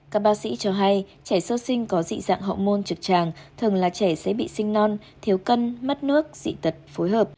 các bác sĩ cho hay trẻ sơ sinh có dị dạng hậu môn trực tràng thường là trẻ sẽ bị sinh non thiếu cân mất nước dị tật phối hợp